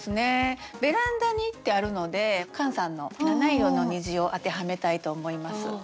「ベランダに」ってあるのでカンさんの「七色の虹」を当てはめたいと思います。